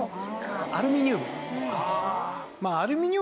アルミニウム。